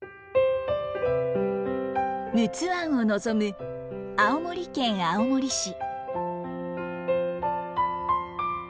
陸奥湾を望む青森県青森市。